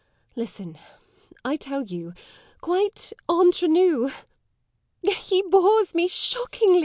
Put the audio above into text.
Listen I tell you quite entre nous he bores me shockingly!